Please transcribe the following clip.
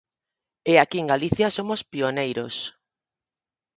E aquí en Galicia somos pioneiros.